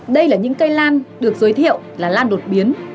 đây là những cây lan được giới thiệu là lan đột biến